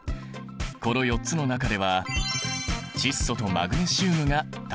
この４つの中では窒素とマグネシウムが単体だ。